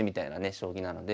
将棋なので。